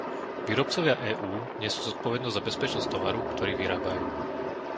Výrobcovia EÚ nesú zodpovednosť za bezpečnosť tovaru, ktorý vyrábajú.